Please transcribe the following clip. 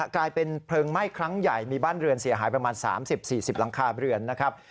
กลายเป็นเพลิงไหม้ครั้งใหญ่มีบ้านเรือนเสียหายประมาณ๓๐๔๐หลังคาเรือนนะครับ